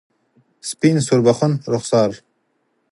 سپین سوربخن رخسار